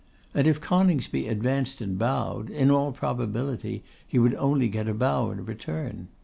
And if Coningsby advanced and bowed, in all probability he would only get a bow in return.